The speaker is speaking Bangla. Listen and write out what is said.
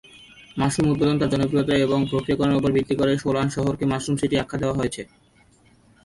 মাশরুম উৎপাদন তার জনপ্রিয়তা এবং প্রক্রিয়াকরণের ওপর ভিত্তি করে সোলান শহরকে "মাশরুম সিটি" আখ্যা দেওয়া হয়েছে।